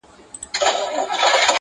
دعا ، دعا ،دعا ، دعا كومه.